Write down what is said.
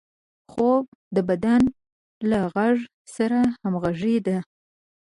خوب د بدن له غږ سره همغږي ده